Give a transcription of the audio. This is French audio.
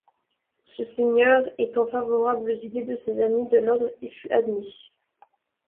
Ce seigneur étant favorable aux idées de ses amis de l'Ordre y fut admis.